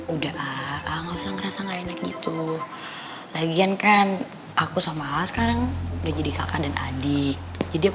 udah ah nggak usah ngerasa gak enak gitu lagian kan aku sama sekarang udah jadi kakak dan adik jadi